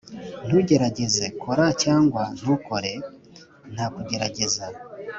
“ntugerageze. kora, cyangwa ntukore. nta kugerageza.